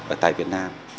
ở tại việt nam